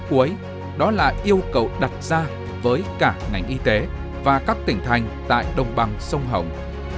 cuối đó là yêu cầu đặt ra với cả ngành y tế và các tỉnh thành tại đồng bằng sông hồng